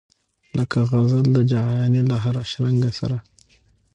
لکه غزل د جهاني له هره شرنګه سره